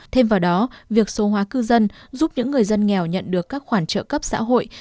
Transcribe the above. thêm vào đó việc số hóa cư dân giúp những người dân nghèo nhận được các khoản trợ cấp xã hội